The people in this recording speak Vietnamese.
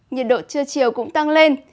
nhiệt độ trưa chiều cũng tăng lên